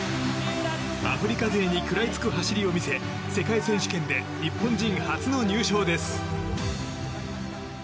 アフリカ勢に食らいつく走りを見せ世界選手権で日本人初の入賞です。